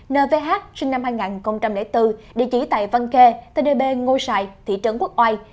nvh sinh năm hai nghìn bốn địa chỉ tại văn khê tây đề bê ngô sơn thị trấn quốc ai